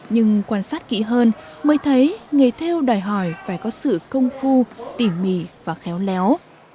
nhưng quan sát kỹ hơn mới thấy nghề theo đòi hỏi phải có sự công phu tỉ mỉ và khéo léo